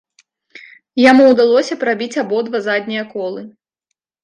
Яму ўдалося прабіць абодва заднія колы.